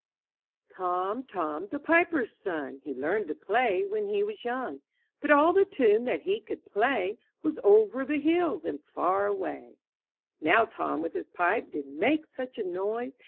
TPOM, Tom, the piper^s son, ■ He. learned to play when he was youngs But all the tune that he could play, Was Over the hills and far away/' Now Tom with his pipe did make such a noise.